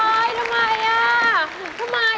เอ้ยทำไม